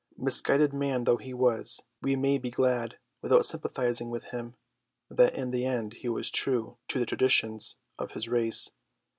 Misguided man though he was, we may be glad, without sympathising with him, that in the end he was true to the traditions of his race.